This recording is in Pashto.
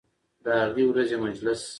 د هغې ورځې مجلس